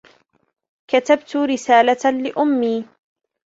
كتبت رسالة لأمي.